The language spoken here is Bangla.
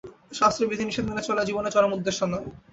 শাস্ত্রের বিধিনিষেধ মেনে চলাই জীবনের চরম উদ্দেশ্য নয়।